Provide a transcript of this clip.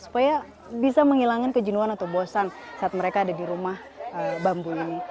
supaya bisa menghilangkan kejenuhan atau bosan saat mereka ada di rumah bambu ini